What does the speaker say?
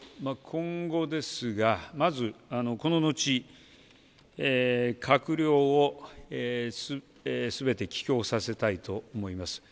今後ですが、まずこの後、閣僚をすべき帰京させたいと思います。